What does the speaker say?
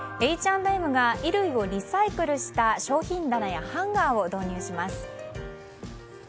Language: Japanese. Ｈ＆Ｍが衣類をリサイクルした商品棚やハンガーを導入します。